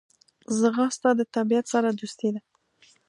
ځغاسته د طبیعت سره دوستي ده